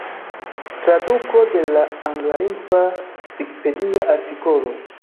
Traduko de la anglalingva vikipedia artikolo.